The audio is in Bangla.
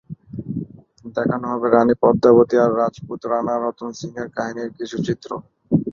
দেখানো হবে রানি পদ্মাবতী আর রাজপুত রানা রতন সিংয়ের কাহিনির কিছু চিত্র।